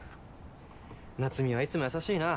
夏海はいつも優しいな。